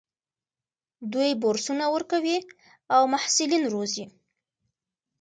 دوی بورسونه ورکوي او محصلین روزي.